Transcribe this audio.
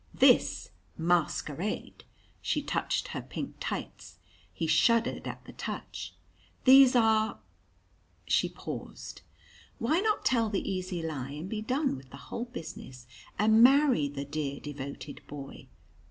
"This masquerade?" She touched her pink tights he shuddered at the touch. "These are " She paused. Why not tell the easy lie and be done with the whole business, and marry the dear, devoted boy?